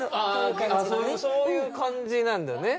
そういう感じなんだね。